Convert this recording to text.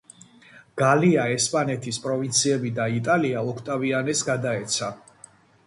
გალია, ესპანეთის პროვინციები და იტალია ოქტავიანეს გადაეცა.